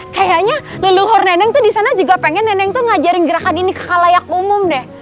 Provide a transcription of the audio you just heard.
kayaknya leluhur neneng tuh di sana juga pengen neneng tuh ngajarin gerakan ini ke halayak umum deh